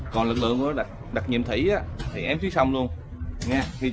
còn lực lượng của đặc nhiệm thủy thì ém dưới sông luôn khi chờ lệnh